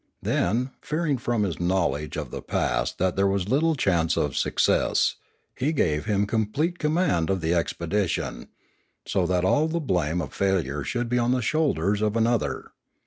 Then, fearing from his knowledge of the past that there was little chance of success, he gave him complete command of the expedition, so that all 494 Limanora the blame of failure should be on the shoulders of an other.